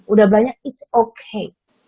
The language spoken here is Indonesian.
udah banyak it's okay